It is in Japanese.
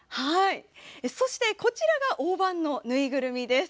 そして、こちらがオオバンのぬいぐるみです。